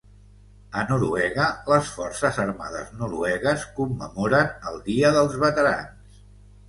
A Noruega les forces armades noruegues commemoren el Dia dels Veterans.